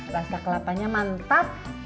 rasa kelapanya mantap